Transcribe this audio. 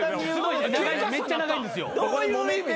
めっちゃ長いんですよ。